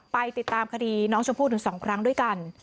ไปติดตามคดีน้องชมพู่ถึง๒ครั้งด้วยกัน